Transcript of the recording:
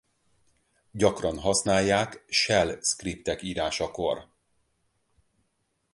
Gyakran használják shell scriptek írásakor.